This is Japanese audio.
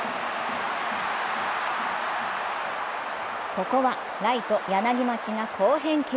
ここはライト・柳町が好返球。